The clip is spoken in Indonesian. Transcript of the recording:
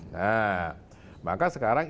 nah maka sekarang